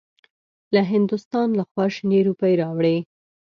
له هندوستان لخوا شنې روپۍ راوړې.